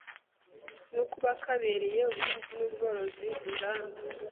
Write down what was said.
nko kuba kabereye ubuhinzi n’ubworozi, inganda,